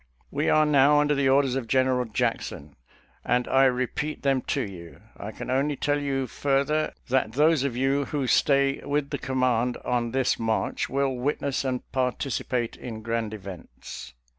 We are now under the orders of General Jackson, and I repeat them to you. I can only tell you further, that those of you who stay with the command on this march will witness and participate in grand events."